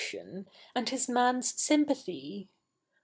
i, and his ma?i^s sympathy